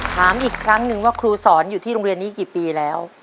ถามอีกครั้งนึงว่าครูสอนอยู่ที่โรงเรียนนี้กี่ปีแล้ว